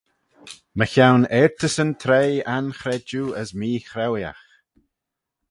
Mychione eiyrtyssyn treih anchredjue as meechraueeaght.